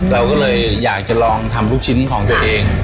เราก็เลยอยากจะลองทำลูกชิ้นของตัวเอง